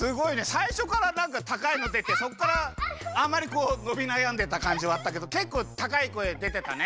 さいしょからなんかたかいのでてそっからあんまりこうのびなやんでたかんじはあったけどけっこうたかい声でてたね。